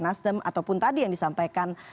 nasdem ataupun tadi yang disampaikan